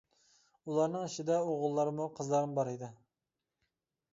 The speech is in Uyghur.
ئۇلارنىڭ ئىچىدە ئوغۇللارمۇ، قىزلارمۇ بار ئىدى.